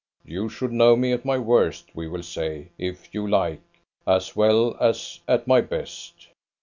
You should know me at my worst, we will say, if you like, as well as at my best."